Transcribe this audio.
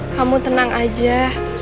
kamu tenang aja